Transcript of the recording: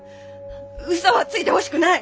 うそはついてほしくない！